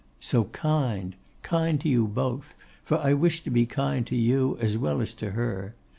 'So kind; kind to you both; for I wish to be kind to you as well as to her.